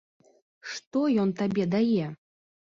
Што ён табе дае?